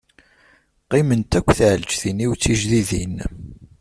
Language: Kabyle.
Qqiment akk tɛelǧtin-iw d tijdidin.